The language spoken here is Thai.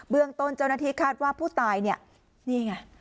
เรื่องต้นเจ้าหน้าที่คาดว่าผู้ตายเนี่ยนี่ไง